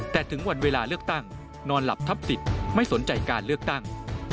แต่ถึงวันเวลาเลือกตั้งนอนหลับทับสิทธิ์ไม่สนใจการเลือกตั้ง